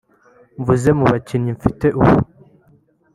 Mvuze ku bakinnyi mfite ubu